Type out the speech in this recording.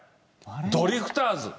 ドリフターズ。